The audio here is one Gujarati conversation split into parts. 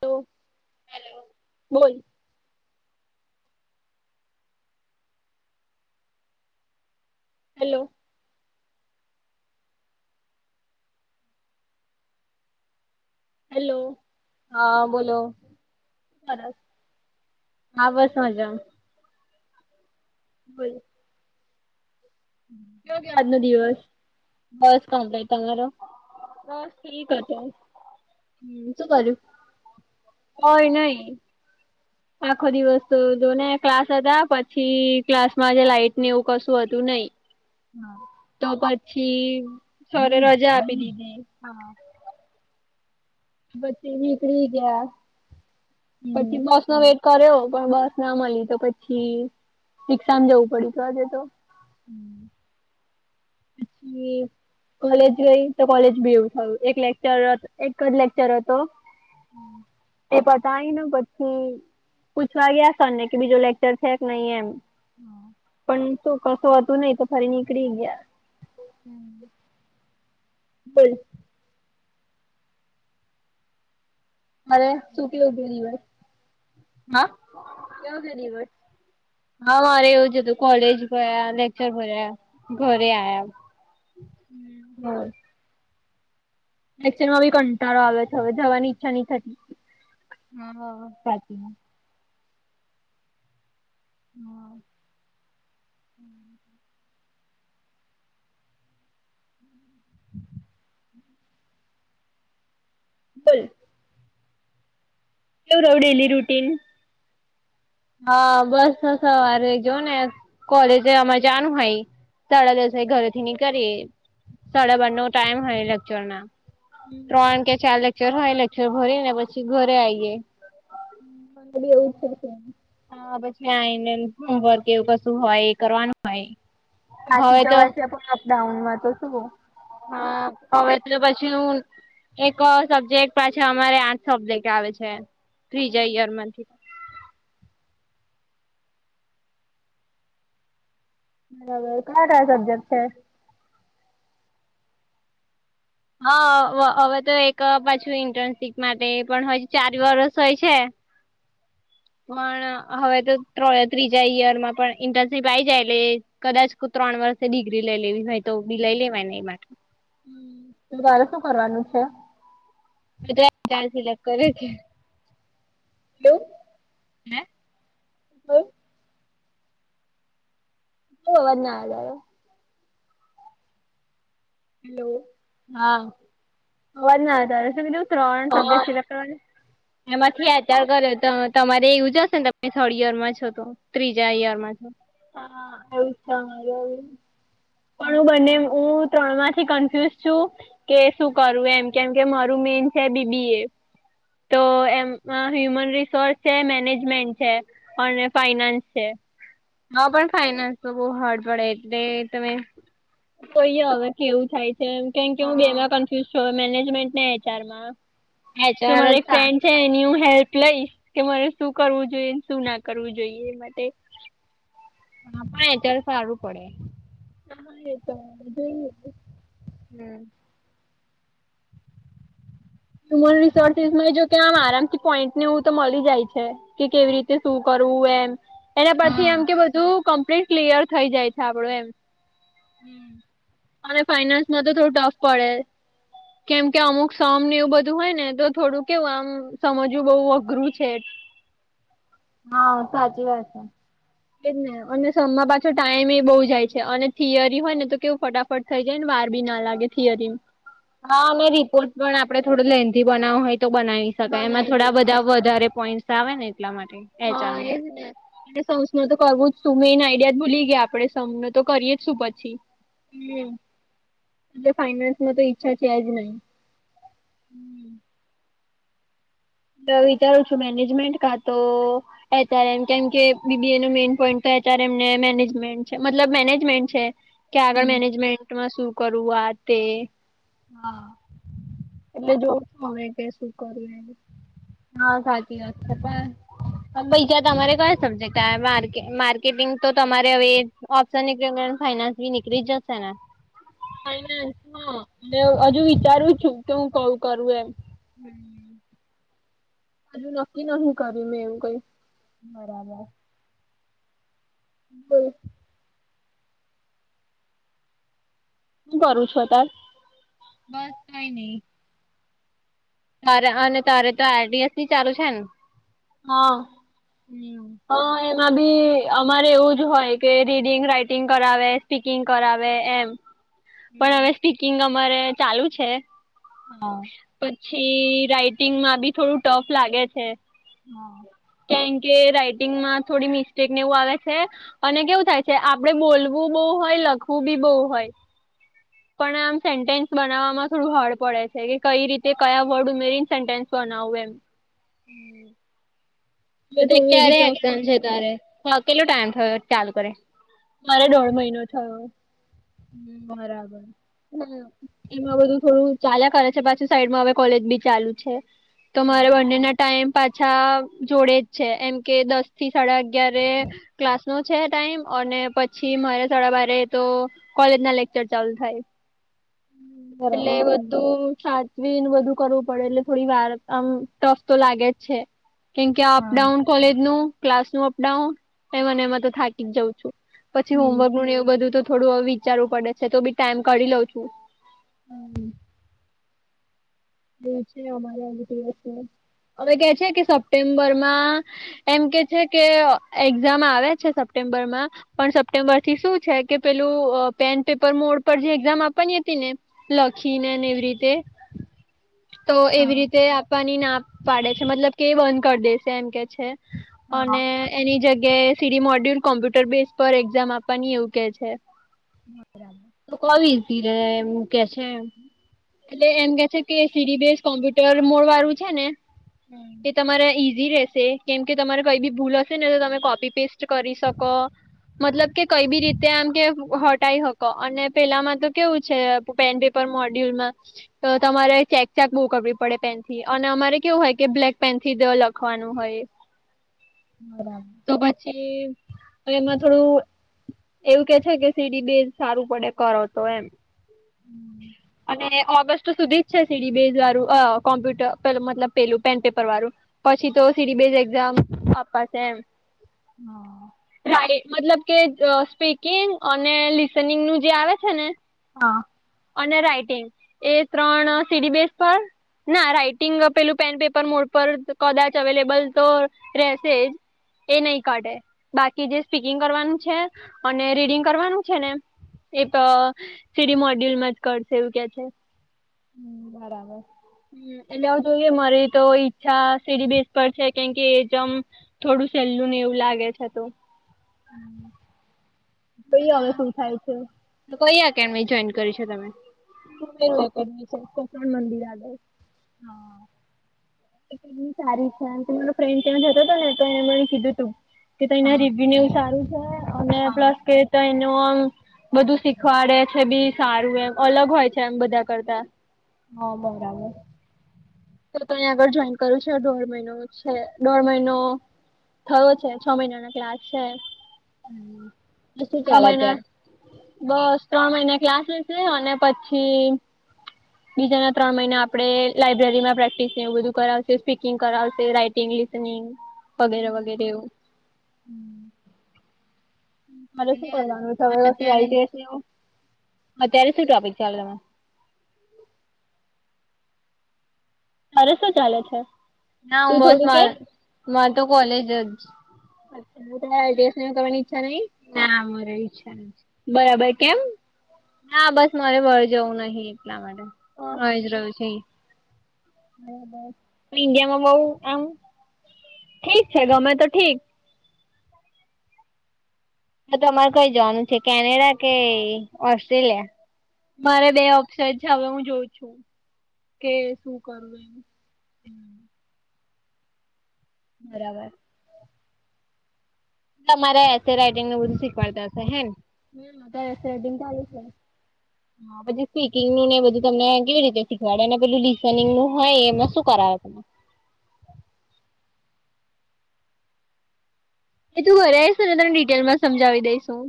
તો [inaudible] હેલો. કોઈ. હેલો. હેલો. હા બોલો. સરસ. હા બસ મજા. બોલો. કયો ગયો આજનો દિવસ? બસ કમ્પ્લીટ તમારો? બસ ઠીક હતો. હમ શું કર્યું? કઇ નહી. આખો દિવસ તો જોને ક્લાસ હતા પછી ક્લાસ માં જે લાઈટ એવું કશું હતું. જો નહી [unintelligible] હા. પછી સરે રજા આપી દીધી. હા. પછી નકળી ગયા હમ પછી બસ નો વેટ. કર્યો પણ બસ ના મળી તો પછી રિક્ષામાં જવું પડ્યું હતું આજે તો. હમ. પછી. કોલેજ ગઈ તો કોલેજ ભી એવું થયું એક લેક્ચર એક જ લેક્ચર હતો. હમ. તઈ ને પછી પૂછવા ગયા સરને કે બીજો લેક્ચર છે કે નહીં એમ. હા તો કરશો હત નહીિ તો ફરી નીકળી ગયા હમ બલ મારે સુું ક વધેિવય હા કેવ કરી હોત હા મારે એવું જ હતું કોલેજ ગયા લેક્ચર ભર્યા ઘરે આ્યા ક્શન માં બી કંટળો આવે્યો છે હવે જવાની ઈચ્છા નહ થતી હા સાચીમાં હમ હમ બલ કેવું રવડેલી રૂટીન હા બસ સવારે જો ને કોલેજ અમાં જનું હાઈ સાડા દિવસે ઘરેથી ની કરી સાડા બાર નો ટાઈમ હો લેક્ચર ના મને ત્રણ કે ચાર લેક્ચર હોય લેક્ચર ભરી ને પછી ઘરે આઈયએ હ મડી એવું છે છે એ હા પછી હોમવર્ક એવું કશું હોય એ કરવાનું હોય બાાકીી હવે તો જવાય છે પણ અપડાઉનમાં તો શું હા હવેટલે પછી હું એક સબ્જેક્ટ પાછા અમારે આઠ સબ્જેક્ટ આવે છે ફ્રી જઈએ મથી બરાબર કયા કયા સબ્જેક્ટ છે હા હવે તો એક પાછું ઇન્ટર્નશીપ માટે પણ હજ ચાર વરષ હોય છે [unintelligible] પણ હવે તો ત્રીજા ઈયર માં પણ ઇન્ટર્નશીપ આ આવી જાય એટલે કદાચ ત્રણ વર્ષે ડિગ્રી લઈ લેવી હોય તો બી લઈ લેવાય ને એ માટે તો તરે શું કરવાનું છે ત્ર ચાર સિલેક્ટ કરે છે હલો હ હમ અવાજ ના આવાર હેલો હા આવાજ ના આવે ત્રણ હા સબ્જેક્ટ સિલેક્ટ કરવાના એમાં થિયાચાર કર્યો તો તમારે એવું જશે ને તમે થર્ડ યર માં છો તો ત્રીજા ઈયર માં છો હ પણ હું બને હું ત્રણમાંથી કન્ફ્યુઝ છું કે શું કરવું એમ કેમ કે મારું મેન છે બીબી એ તો એમાં હ્યુમન રિસોર્સ છે મેનેજમેન્ટ છે અને ફાઈનાન્સ છે હા પણ ખાઈને તો બહ હાડ પડે એટલે તમે કોઈય હવે કેવું થાય છેમ કેમ કે હું હા બેમાં કન્ફ્યુઝ છ મેનેજમેન્ટને એચઆરમાં એચઆર જ મારી એક સા ફ્રેન્ડ છે એની હું હેલ્પ લઈશ કે મારે શું કરવું જોઈએ શું ના કરવું જોઈએ એ માટે હા પણ અત્યારે સારું પડે હાા એ હમ હ્યુમન રિસોર્સસ માં જો કે આમ આરામથી પોઈન્ટ ને એવું તો મળી જાય છે કે કેવી રીતે શું કરો એના પરથી હા એમ કે બધું કમ્પ્લીટ ક્લિયર થઈ જાય છે આપડું એમ હમ અને ફાઈનાન્સમાં તો થોડું ટફ પડે, કેમ કે અમુક સમ ને એવું બધું હોય ને, તો થોડું કેવું, આમ સમજવું બઉ અઘરું છે. હા, સાચી વાત છે. એજ ને અને સમ માં પાછો ટાઈમ એ બહુ જાય છે અને થિયરી હોય ને તો કેવું ફટાફટ થઈ જાય ને વા ર બી ના લાગે થિયરીમ હા અને રિપોર્ટ પણ આપડે થોડો લેન્ધી બનાવો હોય તો બનાવી શકાય એમાં બનાવી દે થોડા બધા વધારે પોઈન્ટસ આવે ને એટલા માટે એચઆર હા માં. એ જ ને, એટલે સમ્સનું તો કરવું જ સુ મેઈન આઈડિયા જ ભૂલી ગયા આપડે સમ ને, તો કરીએ જ શું પછી? હમ એટલે ફાઈનાન્સ માં તો ઈચ્છા છે જ નહી. હમ વિચારું છું મેનેજમેન્ટ કા તો એચ આર એમ, કેમ કે બીબીએ નો મેન પોઈન્ટ એચારેમ ને મેનેજમેન્ટ છે, મતલબ મેનેજમેન્ટ છે. કે આગળ હમ મેનેજમેન્ટમાં સુ કરવું આ, તે હા એટલે જોસુ હવે કે સુ કરવુ એ હા, સાચી વાત છે, પણ બીજા તમારે કયા સબ્જેક્ટ આવ માર્કે, માર્કેટિંગ તો તમારે હવે ઓપ્શન એટલે ફાઈનાન્સ બી નીકળી જસે ને? ફાઈનાન્સ, હ, હજુ વિચારું છું કે હું કયુ કરુ એમ. હમ હજુ નક્કી નહિં કર્યું મેં એવું કંઇ. બરાબર. બોમ સુ કરું છું અતાર? બસ કંઈ નહી. મારે અને તારે તો આરડીએસ બી ચાલુ છે ને? હા હમ હ એમાં બી અમારે એવું જ હોય કે, રીડિંગ, રાઈટિંગ કરાવે, સ્પીકિંગ કરાવે વે એમ. પણ હમ હવે સ્પીકિંગ અમારે ચાલુ છે. હા પછી રાઈટિંગમાં બી થોડું ટફ લાગે છે. હા કેમ કે રાઈટિંગમાં થોડી મિસ્ટેક ને એવું આવે છે અને કેવું થાય છે આપડે બોલવું બહુ હોય હોય લખવું બી બહુ હોય, પણ આમ સેન્ટેન્સ બનાવવામાં થોડું હાર્ડ પડે છે કે કઈ રીતે કયા વર્ડ ઉમેરીને સેન્ટેન્સ બ નાવું એમ. એટલે કે થોડું એ બી ક્યારે એક્ઝામ છે ટફ તારે? અ કેટલો ટાઈમ થયો? ચાલુ કરે મારે દોઢ મહિનો થયો. હમ, બરાબર. હ, એમાં બધું થોડું ચાલ્યા કરે છે, પાછું સાઈડમાં હવે કોલેજ બી ચાલુ છે. તો મારે હા બંનેના ટાઈમ પાછા જોડે જ છે એમ કે દસ થી સાડા અગ યારે ક્લાસ નો છે ટાઈમ, અને પછી મારે સાડા બારે તો કોલેજ ના લેકચર ચાલુ થાય. એ બરાબર બધુ સાચવી ન બધું કરવું પડે એટલે થોડી વાર આમ ટફ તો લાગે જ છે. કેમકે આ હા અપડાઉન કોલેજનું, ક્લાસનું અપડાઉન, એમાં ને એમાં તો થાકી જ જાઉં છું. પછી હમ હોમવર્કનું એવું બધું તો થોડું વિચારવું પડે છે તો બી ટાઈમ કરી લઉ છું. હમ દ છે અમારેજ દિવ છે. હવે કે છે કે સપ્ટેમ્બરમાં એમ કે છે કે એક્ઝામ આવે છે સપ્ટેમ્ બરમાં પણ સપ્ટેમ્બર થી શું છે કે પેલું અ પેન પેપર મોડ પર જે એક્ઝામ આપવાની હતીને લખીને એવી રીતે હ તો એવી રીતે આપવાની ના પાડે છે મતલબ કે બંધ કરી દેશે એમ કે છે. હા અને એની જગ્યાએ સીરી મોડ્યુલ કોમ્પ્યુટર બેઝ પર એક્ઝામ આપવાની એવું કે છે. બરાબર કોવ એસી રહે અને કે છે. એટલે એમ કે છે કે સીડી બેઝ કોમ્પ્યુટર મોડ વાળું છે ને હમ એ તમારા ઈ ધી રશે કેમ કે તમારે કઈ બી ભૂલ હશે ને તો તમે કોપી પેસ્ટ કરી શકો. મતલબ કે કઈ બી રીતે આમ કે હટાઈ હકો અને પેલામાં તો કેવું છે પેન પેપર મોડ્યુલમાં તો તમારે ચેક ચક બહુ કરવી પડે પેન થી અને અમારે કેવું હોય કે બ્લેક પેન થી લખવાનું નું હોય. તો પછી તો એમાં થોડું એવું કે છે કે સીડી બે સારું પડે કરો તો એમ. હમ્મ. અને ઓગસ્ટ સુધી જ છે સીડી બેઝ વાળું કોમ્પ્યુટરે મતલબ પેલું પેન પેપર વાળું. પછી તો સીડીબીએસ એક્ઝામપ્પ છે એમ [unintelligible] મતલબ કે સ્પીકિંગ અને લિસનિંગ નું જે આવે છે ને હા. અને રાઈટિંગ એ ત્રણ સીડી બેસ પર ના રાઈટિંગ પેલું પેન પેપર મોડ પર કદાચ અવેલેબલ તો રહેેશે જ એ નહી કાઢે બાકી જે સ્પીકિંગ કરવાનું છે અને રીડિંગ કરવાનું છે ને એક સીડી મોડ્યુલમાં. કરશે એવું ક છે બરાબર હ એટલે જોઈએ મારી તો ઈચ્છા સીડી બેસ પર છે કેમકે એ જેમ થોડું સહેલ્લું ને એવું લાગે. છે તો. જોઈએ હવે હમ્મ. શું થાય છે કઈ એકડમી જોઈન કરી છે તમે? કુબેર એકેડમી છે કોકણ મંદિર આગળ. હા. સારી છેમ કે મારો ફ્રેન્ડ ત્યાં જતો હતો ને તો એને મને કીધું તું. કે તો એના હા રેિવન્યુ સારું છે અને હા પ્લસ કે તય નુ આમ બધું શીખવાડે છે બી સારું એમ અલગ હોય છે એમ બધા કરતા. હા બરાબર. તો ત આગળ જોઈન કરું છે દોઢ મહિનો છે દોઢ મહિનો થયો છે છ મહિના ના ક્લાસ છે. હમ્મ. તો શું ત્રણ ચાલે મહિના અત્યારે? બસ ત્રણ મહિના ક્લાસ લસ અને પછી બીજાના ત્રણ મહિના આપડે લાયબ્રેરી માં પ્રેક્ટિસ એવું બધું કરાવશે સ્પીકિંગ કરાવશે રાઈટિંગલિ વગેરે હમ્મ. વગેરે એવું. મારે શું ત્યારે કરવાનું છે હવે વસ્તુ આઈટીએસ ને એવું અત્યારે શું ટોપિક ચાલે તમે. તારે શું ચાલે છે? ના હું તું બસ થોડું કે માર મારે તો કોલેજ જ [unintelligible] કરવા ની ઈચ્છા નહીં. ના મારો ઈચ્છા બરાબર, કેમ? ના બસ મારે બાર જવું નહિ એટલા માટે ઘરે જ રહ્યું છે. હ બસ ઈન્ડિયામાં બવુ આમ ઠીક છે ગમે તો ઠીક હ તમારે કઈ જવાનું છે કેનેડા કે ઓસ્ટ્રેલિયા. મારે બે ઓપ્શનછે. હવે હું જોઉ છું કે શું કરવું એમ. હમ્મ. બરાબર. તમારે એસે રાઈટિંગને એવુ બધું શીખવાડતા હશે હે ને. એમ તારે રેકોર્ડિંગ ચાલુ છે? પછી સ્પીકિંગ નું ને બધું તમને કેવી રીતે શીખવાડે ને પેલું લિસનિંગ નું હોય એમાં શું કરાવે. [unintelligible] એ તું ઘરે આઈશ ને તો તને ડિટેલમાં સમજાવી દઈશ હું.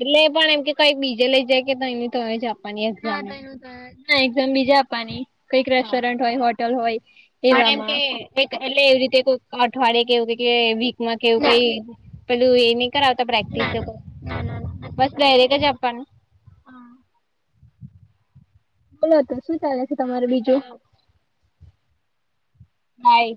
એટલે એ પણ એમ કે કઈક બીજે લઈ જાય કે તો જાપનની એકઝામ ના ને. થયું તો ના એકઝામ બીજે આપવાની કઈક હા. રેસ્ટોરન્ટ હોય હોટલ હોય એવામાં. અઠવાડયે કેવું કે વીકમાં કેવું ના કઈ પેલું એ ની ની કરાવતા પ્રેક્ટિસ ના ના એવુ ના ના ના નથી બસ કરાવતા ડાયરેક્ટ જ આપવાનું. હા બોલો તો શું ચાલે છે હા, તમારું બસ બીજું? ચાલો માય